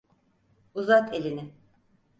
Uzat elini.